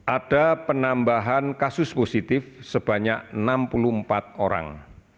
ada penambahan kasus positif sebanyak enam puluh empat orang